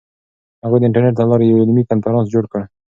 هغوی د انټرنیټ له لارې یو علمي کنفرانس جوړ کړ.